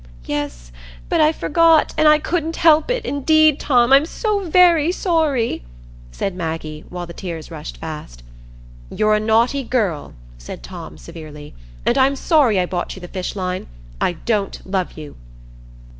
"Yes, but I forgot—and I couldn't help it, indeed, Tom. I'm so very sorry," said Maggie, while the tears rushed fast. "You're a naughty girl," said Tom, severely, "and I'm sorry I bought you the fish line. I don't love you."